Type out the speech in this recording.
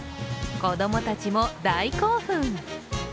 子供たちも大興奮。